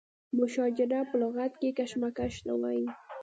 مشاجره په لغت کې کشمکش ته وایي.